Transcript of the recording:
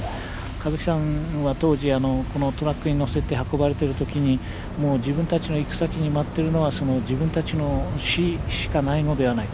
香月さんは当時このトラックに乗せて運ばれてる時にもう自分たちの行く先に待ってるのはその自分たちの死しかないのではないか。